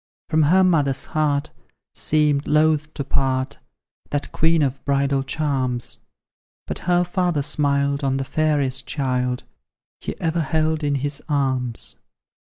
From her mother's heart seemed loath to part That queen of bridal charms, But her father smiled on the fairest child He ever held in his arms.